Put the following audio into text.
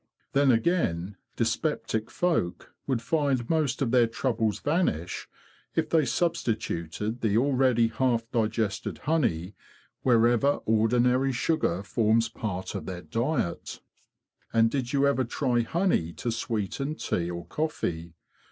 Then, again, dyspeptic folk would find most of their troubles vanish if they substituted the already half 84 THE BEE MASTER OF WARRILOW digested honey wherever ordinary sugar forms part of their diet. And did you ever try honey to sweeten tea or coffee?